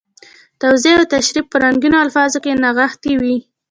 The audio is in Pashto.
توضیح او تشریح په رنګینو الفاظو کې نغښتي وي.